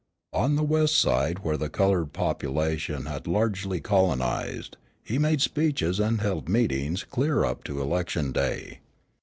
On the west side where the colored population had largely colonized, he made speeches and held meetings clear up to election day.